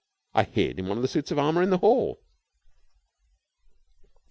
I hid in one of the suits of armour in the hall."